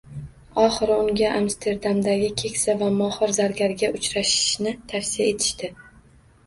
Oxiri unga Amsterdamdagi keksa va mohir zargarga uchrashni tavsiya etishdi